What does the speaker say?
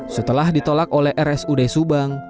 setelah ditolak oleh rsud subang